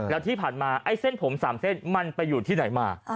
แล้วที่ผ่านมาไอ้เส้นผม๓เส้นมันไปอยู่ที่ไหนมา